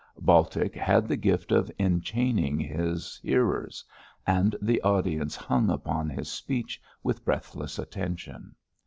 Baltic had the gift of enchaining his hearers, and the audience hung upon his speech with breathless attention.